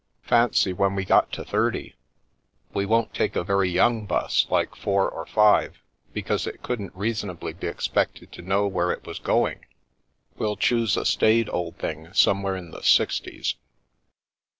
Fancy when we got to thirty ! We won't take a very young *bus like four or five, because it couldn't reasonably be expected to know where it was going; we'll choose a staid old thing somewhere in the sixties."